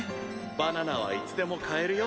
バナナはいつでも買えるよ。